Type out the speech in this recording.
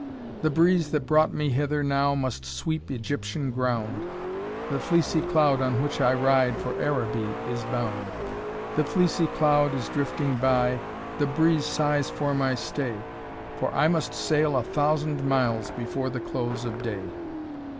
The breeze that brought me hither now, must sweep Egyptian ground, The fleecy cloud on which I ride for Araby is bound; The fleecy cloud is drifting by, the breeze sighs for my stay, For I must sail a thousand miles before the close of day."